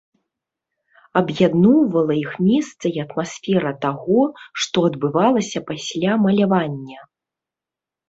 Аб'ядноўвала іх месца і атмасфера таго, што адбывалася пасля малявання.